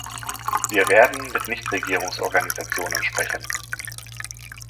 Wir werden mit Nichtregierungsorganisationen sprechen.